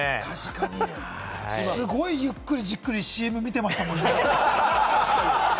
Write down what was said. すごいゆっくり、じっくりＣＭを見てましたもんね。